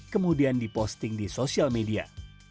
kemudian diposting di sosial media